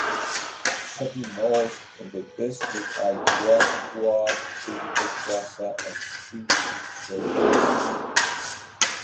Shopping malls in the district are Guang Hua Digital Plaza and Syntrend Creative Park.